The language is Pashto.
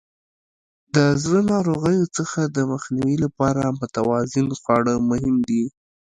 د زړه ناروغیو څخه د مخنیوي لپاره متوازن خواړه مهم دي.